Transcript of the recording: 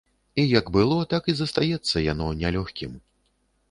І як было, так і застаецца яно нялёгкім.